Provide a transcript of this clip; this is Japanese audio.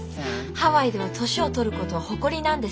ハワイでは年を取ることは誇りなんです。